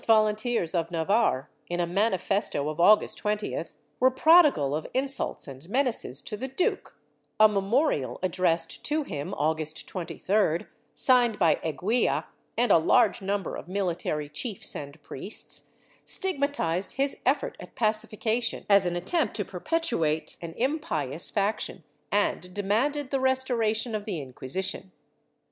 I] RELEASE OF FERNANDO 449 Volunteers of Navarre, in a manifesto of August 20th, were prodi gal of insults and menaces to the duke; a memorial addressed to him, August 23d, signed by Eguia and a large number of military chiefs and priests, stigmatized his effort at pacification as an attempt to perpetuate an impious faction, and demanded the res toration of the Inquisition.